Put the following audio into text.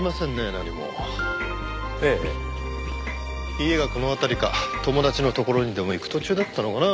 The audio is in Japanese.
家がこの辺りか友達のところにでも行く途中だったのかな？